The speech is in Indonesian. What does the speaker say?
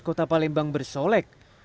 kota palembang bersolek